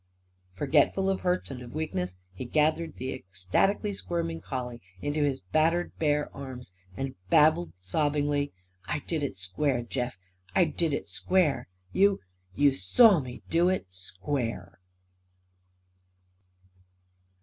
Forgetful of hurts and of weakness, he gathered the ecstatically squirming collie into his battered bare arms and babbled sobbingly: "I did it, square, Jeff. I did it, square! You you saw me do it, SQUARE."